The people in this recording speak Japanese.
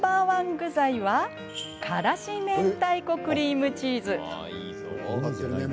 具材はからし明太子クリームチーズ。